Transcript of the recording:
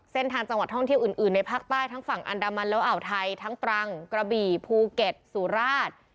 เส้นทางจังหวัดท่องเที่ยวอื่นในภาคใต้ทั้งฝั่งอันดามันแล้วอ่าวไทยทั้งตรังกระบี่ภูเก็ตสุราช